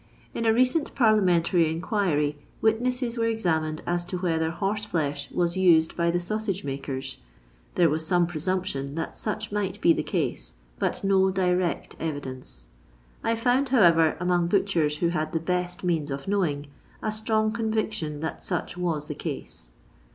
In a recent parliamentary inquiry, witnesses were examined as to whether hnrse flesh was used by the sausage mnkers. There was some presumption that such might be the case, but no direct evidence. I found, how ever, among butchers who had the best means of knowing, a strong conviction that such was the case.